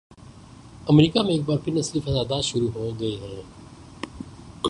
امریکہ میں ایک بار پھر نسلی فسادات شروع ہوگئے ہیں۔